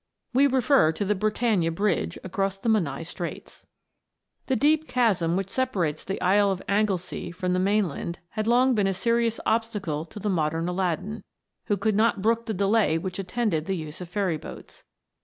We refer to the Britannia Bridge across the Menai Straits. The deep chasm which separates the Isle of Anglesey from the mainland had long been a serious obstacle to the modern Aladdin, who could not brook the delay which attended the use of THE WONDERFUL LAMP. 327 ferry boats.